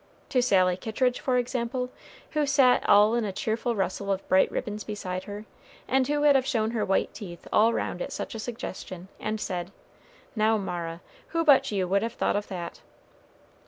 to Sally Kittridge, for example, who sat all in a cheerful rustle of bright ribbons beside her, and who would have shown her white teeth all round at such a suggestion, and said, "Now, Mara, who but you would have thought of that?"